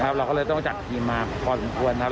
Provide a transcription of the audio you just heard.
แล้วเราก็เลยต้องจัดทีมมาพอสังคมดีควร